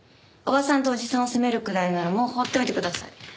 おばさんとおじさんを責めるくらいならもう放っておいてください。